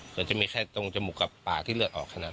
ส่วนจะมีแค่ตรงจมูกกับปากที่เลือดออกขนาดนั้น